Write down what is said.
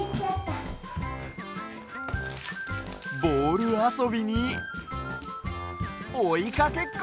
ボールあそびにおいかけっこ。